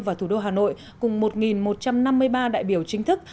và thủ đô hà nội cùng một một trăm năm mươi ba đại biểu chính thức